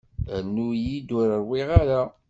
Rnu-yi-d ur ṛwiɣ ara.